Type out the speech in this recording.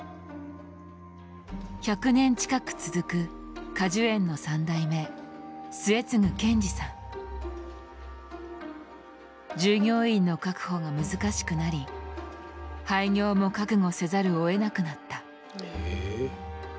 １００年近く続く果樹園の従業員の確保が難しくなり廃業も覚悟せざるをえなくなった。